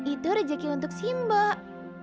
itu rezeki untuk si mbok